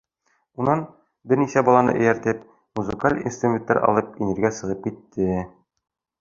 Унан, бер нисә баланы эйәртеп, музыкаль инструменттар алып инергә сығып китте.